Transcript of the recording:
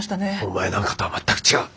お前なんかとは全く違う！